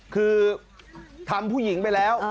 คือทำผู้หญิงไปแล้ว